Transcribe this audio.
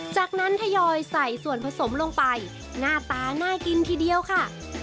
จากนั้นทยอยใส่ส่วนผสมลงไปหน้าตาน่ากินทีเดียวค่ะ